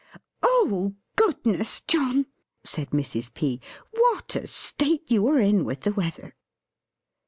"Oh goodness, John!" said Mrs. P. "What a state you're in with the weather!"